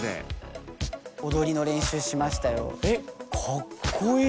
かっこいい！